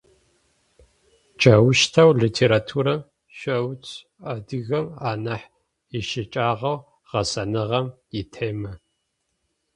Джаущтэу литературэм щэуцу адыгэм анахь ищыкӏагъэу-гъэсэныгъэм итемэ.